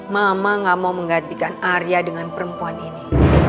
mama gak mau menggantikan arya dengan perempuan ini